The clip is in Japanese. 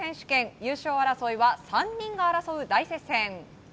優勝争いは３人が争う大接戦。